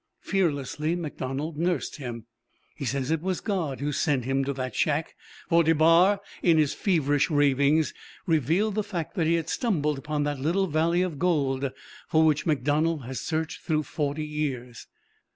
"Fearlessly MacDonald nursed him. He says it was God who sent him to that shack. For DeBar, in his feverish ravings, revealed the fact that he had stumbled upon that little Valley of Gold for which MacDonald had searched through forty years.